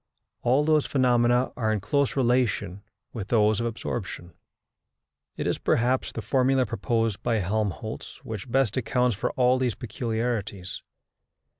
All those phenomena are in close relation with those of absorption. It is, perhaps, the formula proposed by Helmholtz which best accounts for all these peculiarities.